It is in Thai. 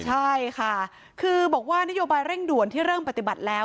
ใช่ค่ะคือบอกว่านโยบายเร่งด่วนที่เริ่มปฏิบัติแล้ว